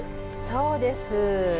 そうです。